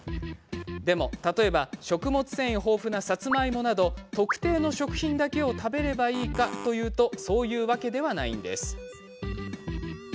例えば食物繊維豊富なさつまいもなど特定の食品だけを食べればいいかというとそういうわけではないんです。